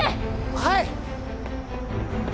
はい！